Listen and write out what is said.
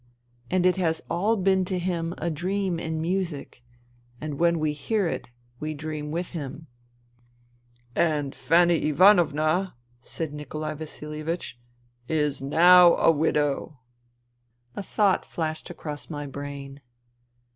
And it has all been to him a dream in music, and when we hear it we dream with him. ...And Fanny Ivanovna,'* said Nikolai Vasilievich, is now a widow I " 190 FUTILITY A thought flashed across my brain.